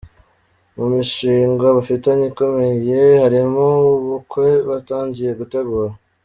Mu mishinga bafitanye ikomeye harimo uw’ubukwe batangiye gutegura.